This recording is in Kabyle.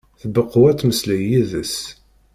Tbeqqu ad temmeslay yid-s.